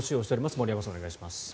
森山さん、お願いします。